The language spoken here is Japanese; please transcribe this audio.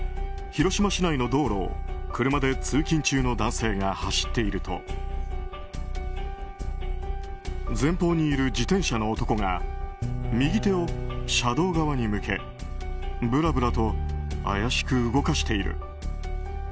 広島市内の道路を車で通勤中の男性が走っていると前方にいる自転車の男が右手を車道側に向けぶらぶらと怪しく動かしている。